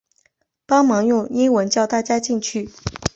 帮忙用英文叫大家进去